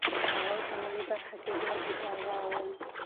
هغوی په مالي برخه کې ډېر بې پروا وو.